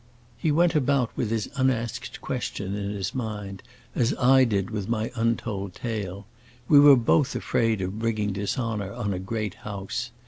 He went about with his unasked question in his mind, as I did with my untold tale; we were both afraid of bringing dishonor on a great house.